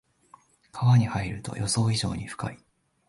川に入ると予想以上に深い